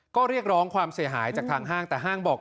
ก็เรียกร้องความเสียหายจากทางห้างแต่ห้างบอก